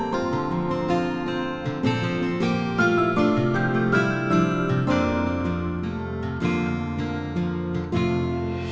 bagaimana kau bisa fianceain dari tadi